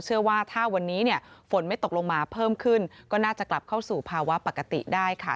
เชื่อว่าถ้าวันนี้เนี่ยฝนไม่ตกลงมาเพิ่มขึ้นก็น่าจะกลับเข้าสู่ภาวะปกติได้ค่ะ